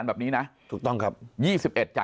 ที่ไม่มีนิวบายในการแก้ไขมาตรา๑๑๒